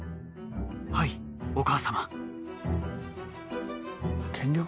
はいお母様。